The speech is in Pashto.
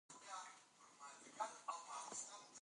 کله چې ملاتړ موجود وي، یوازیتوب به احساس نه شي.